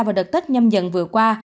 vào đợt tết nhâm dận vừa qua